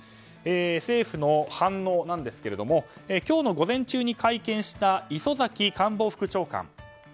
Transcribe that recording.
政府の反応なんですが今日の午前中に会見した磯崎官房副長官。